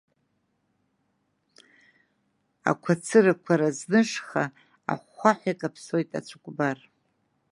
Ақәа цырақәа разнышха, ахәхәаҳәа икаԥсоит ацәыкәбар.